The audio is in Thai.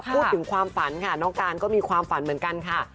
พูดถึงความฝันค่ะน้องการก็มีความฝันเหมือนกันค่ะ